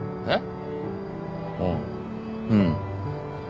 あっうん。